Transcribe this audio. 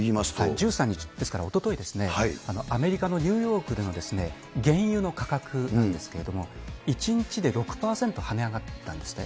１３日、ですからおとといですね、アメリカのニューヨークでの原油の価格なんですけれども、１日で６％はね上がったんですね。